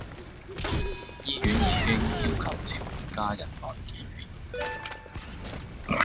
醫院已經要求召喚家人來見面